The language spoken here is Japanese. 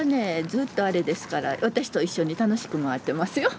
ずっとあれですから私と一緒に楽しく回ってますよ。